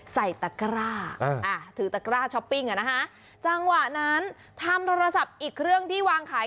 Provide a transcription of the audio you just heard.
ใส่ตะกร้าถือตะกร้าช้อปปิ้งอ่ะนะคะจังหวะนั้นทำโทรศัพท์อีกเครื่องที่วางขาย